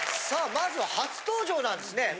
さあまずは初登場なんですね。